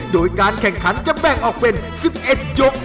โดยการแข่งขันจะแบ่งออกเป็น๑๑ยก